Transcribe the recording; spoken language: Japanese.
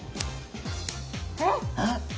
えっ！？